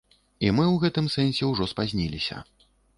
І мы ў гэтым сэнсе ўжо спазніліся.